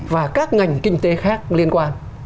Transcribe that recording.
và các ngành kinh tế khác liên quan